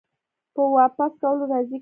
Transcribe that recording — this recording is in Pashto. په واپس کولو راضي کړو